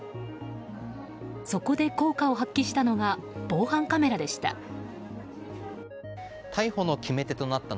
そこで効果を発揮したのが防犯カメラでした。